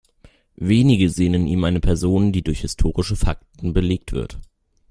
Wenige sehen in ihm eine Person, die durch historische Fakten belegt wird.